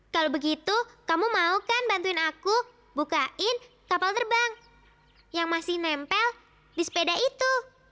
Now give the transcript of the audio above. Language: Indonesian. kalau begitu kamu mau kan bantuin aku bukain kapal terbang yang masih nempel di sepeda itu